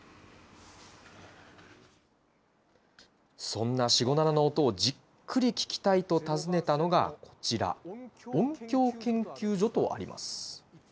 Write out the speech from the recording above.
そんなシゴナナの音をじっくり聞きたいと訪ねたのがこちら、音響研究所とあります。